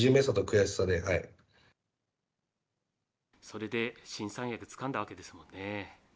それで新三役つかんだわけですもんね。